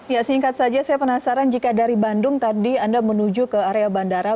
ya singkat saja saya penasaran jika dari bandung tadi anda menuju ke area bandara